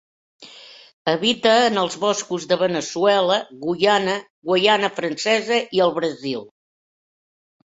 Habita en els boscos de Veneçuela, Guyana, Guaiana francesa i el Brasil.